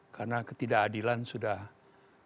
karena ketidakadilan sudah tampak nyata kasat mata